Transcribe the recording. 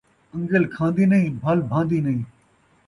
ان٘ڳل کھان٘دی نئیں، بھل بھان٘دی نئیں